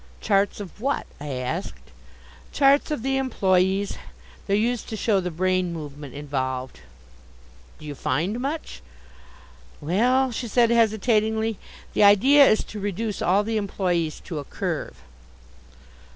"Charts of what?" I asked. "Charts of the employes; they're used to show the brain movement involved." "Do you find much?" "Well," she said hesitatingly, "the idea is to reduce all the employes to a Curve."